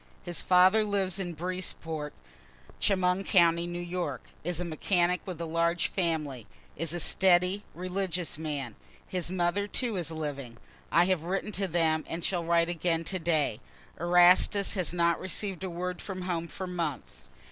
His father lives at Breesport, Chemung county, N. Y., is a mechanic with large family is a steady, religious man; his mother too is living. I have written to them, and shall write again to day Erastus has not receiv'd a word from home for months.